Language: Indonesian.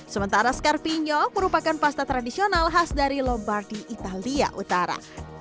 sementara scarpino merupakan pasta tradisional khas dari lombardy italia utara